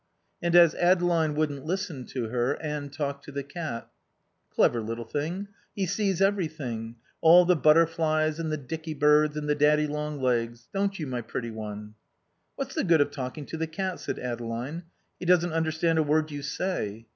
And as Adeline wouldn't listen to her Anne talked to the cat. "Clever little thing, he sees everything, all the butterflies and the dicky birds and the daddy long legs. Don't you, my pretty one?" "What's the good of talking to the cat?" said Adeline. "He doesn't understand a word you say."